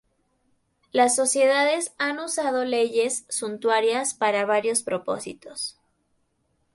Las sociedades han usado leyes suntuarias para varios propósitos.